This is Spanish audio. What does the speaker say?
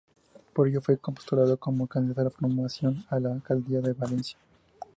Por ello, fue postulado como candidato de la formación a la alcaldía de Valencia.